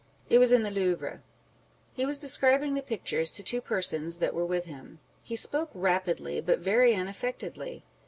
It was in the Louvre. He was describing the pictures to t\vo persons that were with him. He spoke rapidly, but very unaffectedly.